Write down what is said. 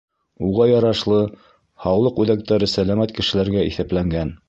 Уға ярашлы, һаулыҡ үҙәктәре сәләмәт кешеләргә иҫәпләнгән.